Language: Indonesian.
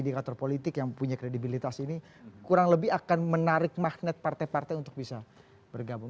indikator politik yang punya kredibilitas ini kurang lebih akan menarik magnet partai partai untuk bisa bergabung